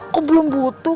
kok belum butuh